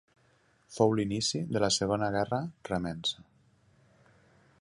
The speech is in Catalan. Fou l'inici de la Segona Guerra Remença.